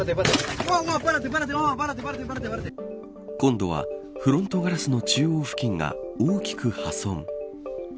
今度はフロントガラスの中央付近が大きく破損。